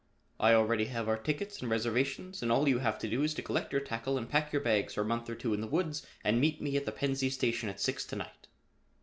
I already have our tickets and reservations and all you have to do is to collect your tackle and pack your bags for a month or two in the woods and meet me at the Pennsy station at six to night."